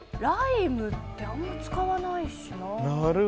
ライムってあんま使わないしな。